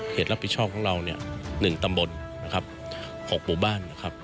รับผิดชอบของเราเนี่ย๑ตำบลนะครับ๖หมู่บ้านนะครับ